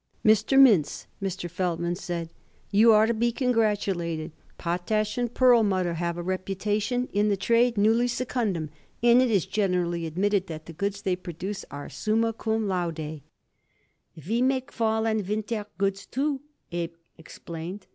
"Mr. Mintz," Mr. Feldman said, "you are to be congratulated. Potash & Perlmutter have a reputation in the trade nulli secundum, and it is generally admitted that the goods they produce are summa cum laude." "We make fall and winter goods, too," Abe explained.